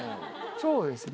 そうですね。